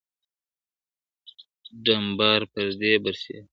ډنبار، پر دې برسېره ,